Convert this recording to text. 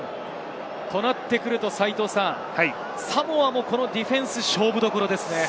そうなると、サモアもこのディフェンス、勝負どころですね。